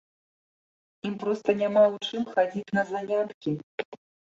Ім проста няма ў чым хадзіць на заняткі.